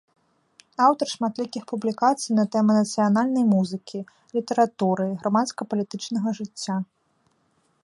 Аўтар шматлікіх публікацый на тэмы нацыянальнай музыкі, літаратуры, грамадска-палітычнага жыцця.